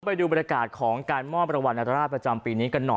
ไปดูประกาศของการมอบประวัติ